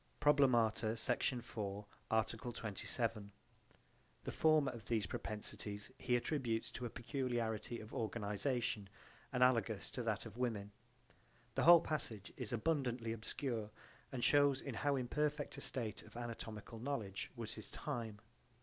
(Probl. Sect. 4 art. 27: The former of these propensities he attributes to a peculiarity of organization, analogous to that of women. The whole passage is abundantly obscure and shows in how imperfect a state of anatomical knowledge was his time.